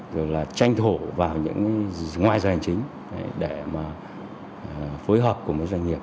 rồi là tranh thổ vào những ngoại doanh chính để mà phối hợp cùng với doanh nghiệp